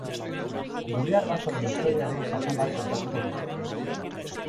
Gure arbasoen historiaren zati bat kontatuko dute.